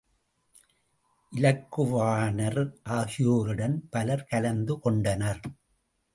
இலக்குவனார் ஆகியோருடன் பலர் கலந்து கொண்டனர்.